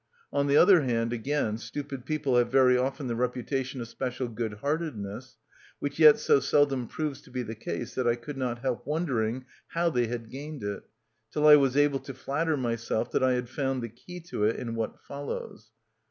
On the other hand, again, stupid people have very often the reputation of special good heartedness, which yet so seldom proves to be the case that I could not help wondering how they had gained it, till I was able to flatter myself that I had found the key to it in what follows.